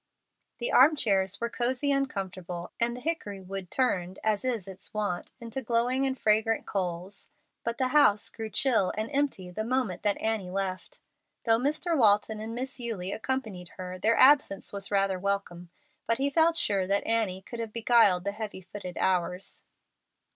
'" The arm chairs were cosey and comfortable, and the hickory wood turned, as is its wont, into glowing and fragrant coals, but the house grew chill and empty the moment that Annie left. Though Mr. Walton and Miss Eulie accompanied her, their absence was rather welcome, but he felt sure that Annie could have beguiled the heavy footed hours.